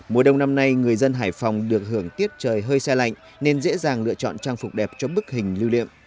mùa đông năm nay người dân hải phòng được hưởng tiết trời hơi xe lạnh nên dễ dàng lựa chọn trang phục đẹp cho bức hình lưu liệm